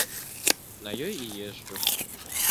На ёй і езджу.